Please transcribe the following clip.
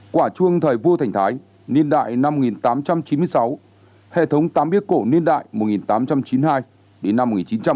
quả chuông thời vua thành thái niên đại năm một nghìn tám trăm chín mươi sáu hệ thống tám biếc cổ niên đại một nghìn tám trăm chín mươi hai đến năm một nghìn chín trăm tám mươi